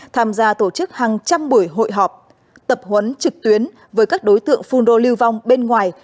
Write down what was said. tham gia tổ chức hàng trăm buổi hội họp tập huấn trực tuyến với các đối tượng phun rô lưu vong bên ngoài